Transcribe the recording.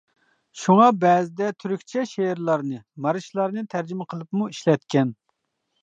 شۇڭا، بەزىدە تۈركچە شېئىرلارنى، مارشلارنى تەرجىمە قىلىپمۇ ئىشلەتكەن.